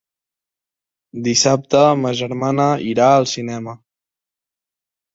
Dissabte ma germana irà al cinema.